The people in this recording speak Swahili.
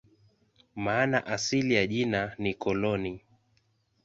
Maana asili ya jina ni "koloni".